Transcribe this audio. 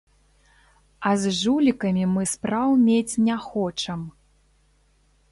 А з жулікамі мы спраў мець не хочам.